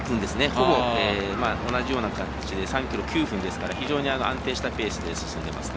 ほぼ同じような感じで３ｋｍ、９分ですから非常に安定したペースで進んでいます。